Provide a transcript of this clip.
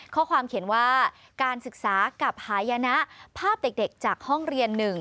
ข้อความเขียนว่าการศึกษากับหายนะภาพเด็กจากห้องเรียน๑